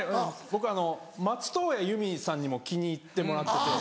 僕松任谷由実さんにも気に入ってもらってて。